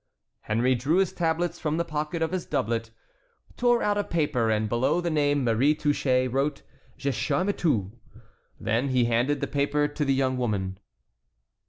Henry drew his tablets from the pocket of his doublet, tore out a paper, and below the name Marie Touchet wrote Je charme tout. Then he handed the paper to the young woman.